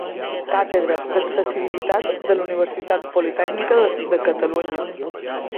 Càtedra d'Accessibilitat de la Universitat Politècnica de Catalunya.